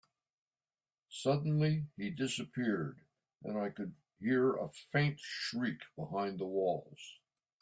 Suddenly, he disappeared, and I could hear a faint shriek behind the walls.